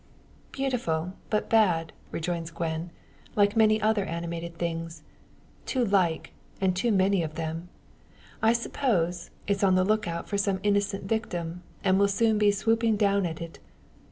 "Beautiful, but bad;" rejoins Gwen, "like many other animated things too like, and too many of them. I suppose, it's on the look out for some innocent victim, and will soon be swooping down at it.